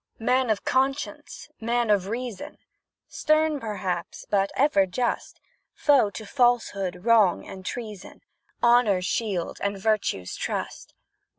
Man of conscience man of reason; Stern, perchance, but ever just; Foe to falsehood, wrong, and treason, Honour's shield, and virtue's trust!